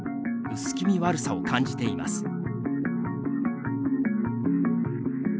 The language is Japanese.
薄気味悪さを感じています。